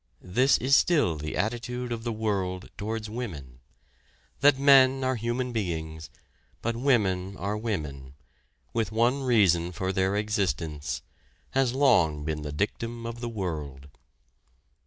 This is still the attitude of the world towards women. That men are human beings, but women are women, with one reason for their existence, has long been the dictum of the world.